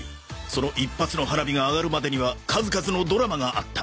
その一発の花火が上がるまでには数々のドラマがあった